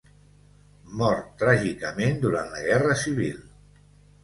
Mor tràgicament durant la Guerra Civil.